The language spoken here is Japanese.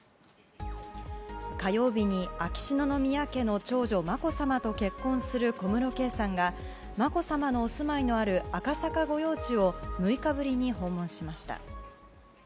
火曜日に、秋篠宮家の長女まこさまと結婚する小室圭さんがまこさまのお住まいのある赤坂御用地を６日ぶりに訪問しました。